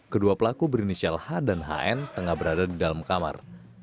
kedua pelaku berinisial h dan hn tengah berada di dalam kamar